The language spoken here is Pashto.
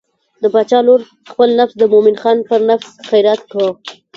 د باچا لور خپل نفس د مومن خان پر نفس خیرات کړ.